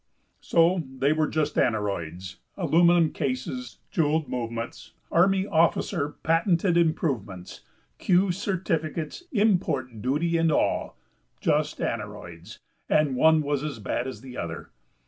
So they were just aneroids: aluminum cases, jewelled movements, army officer patented improvements, Kew certificates, import duty, and all just aneroids, and one was as bad as the other.